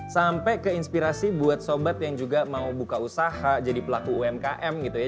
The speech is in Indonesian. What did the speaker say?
sampai ke inspirasi buat sobat yang juga mau buka usaha jadi pelaku umkm gitu ya